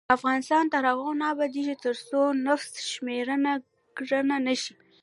افغانستان تر هغو نه ابادیږي، ترڅو نفوس شمېرنه کره نشي.